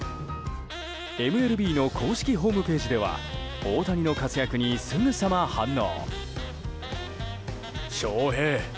ＭＬＢの公式ホームページでは大谷の活躍にすぐさま反応。